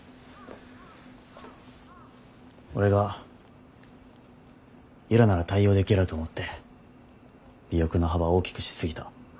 俺が由良なら対応できると思って尾翼の幅を大きくし過ぎた。